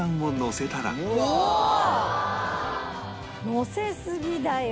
のせすぎだよ。